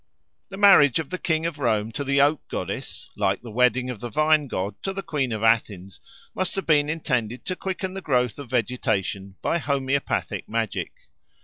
The marriage of the King of Rome to the oak goddess, like the wedding of the vine god to the Queen of Athens, must have been intended to quicken the growth of vegetation by homoeopathic magic.